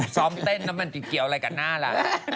ซ้อมเต้นแล้วมันจะเกี่ยวอะไรกับหน้าล่ะ